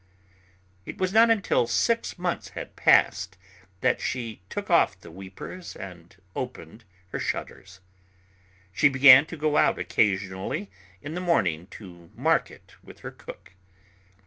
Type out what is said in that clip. It was not until six months had passed that she took off the weepers and opened her shutters. She began to go out occasionally in the morning to market with her cook.